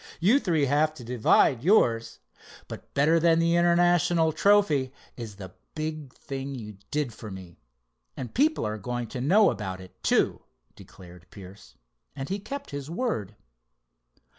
You three have to divide yours. But, better than the international trophy, is the big thing you did for me, and people are going to know about it, too," declared Pierce, and he kept his word.